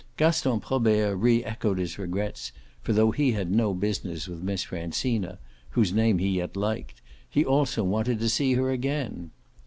Gaston Probert re echoed his regrets, for though he had no business with Miss Francina, whose name he yet liked, he also wanted to see her again.